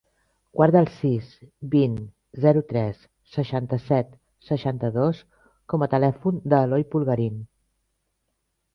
Guarda el sis, vint, zero, tres, seixanta-set, seixanta-dos com a telèfon de l'Eloy Pulgarin.